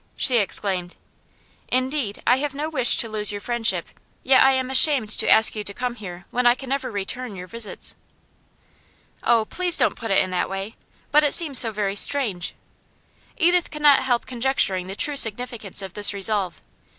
she exclaimed. 'Indeed, I have no wish to lose your friendship. Yet I am ashamed to ask you to come here when I can never return your visits.' 'Oh, please don't put it in that way! But it seems so very strange.' Edith could not help conjecturing the true significance of this resolve.